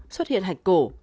sáu xuất hiện hạch cổ